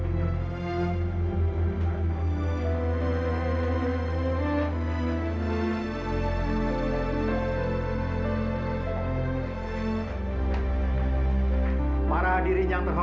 tapi kalau enggak